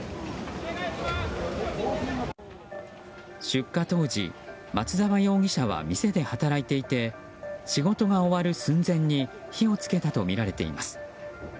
出火当時松沢容疑者は店で働いていて仕事が終わる寸前に火を付けたとみられています。